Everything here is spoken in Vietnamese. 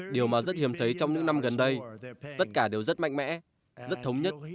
điều mà rất hiếm thấy trong những năm gần đây tất cả đều rất mạnh mẽ rất thống nhất